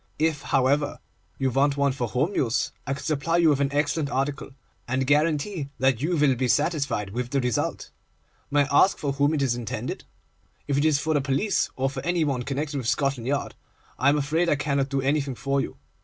If, however, you want one for home use, I can supply you with an excellent article, and guarantee that you will he satisfied with the result. May I ask for whom it is intended? If it is for the police, or for any one connected with Scotland Yard, I am afraid I cannot do anything for you.